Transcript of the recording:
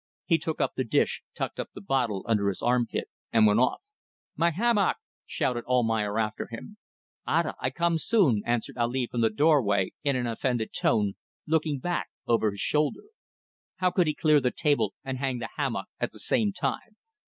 He took up the dish, tucked up the bottle under his armpit, and went off. "My hammock!" shouted Almayer after him. "Ada! I come soon," answered Ali from the doorway in an offended tone, looking back over his shoulder. ... How could he clear the table and hang the hammock at the same time.